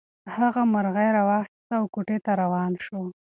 هغه مرغۍ راواخیسته او کوټې ته روان شو.